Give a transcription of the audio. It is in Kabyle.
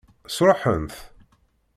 Sṛuḥen-t?